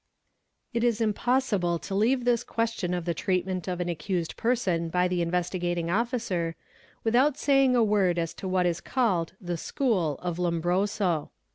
It is impossible to leave this question of the treatment of an accused person by the Investigating Officer, without saying a word as to what is called '' The school" of Lombroso.